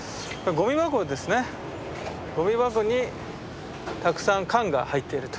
ゴミ箱にたくさん缶が入っていると。